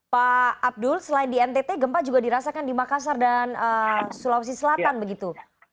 pak abdul selain di ntt gempa juga dirasakan di makassar dan sulawesi selatan begitu